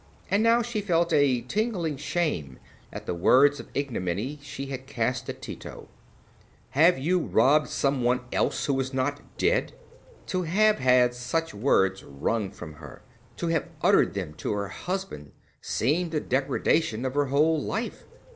And now she felt a tingling shame at the words of ignominy she had cast, at Tito—"Have you robbed some one else who is not dead?" To have had such words wrung from her—to have uttered them to her husband seemed a degradation of her whole life.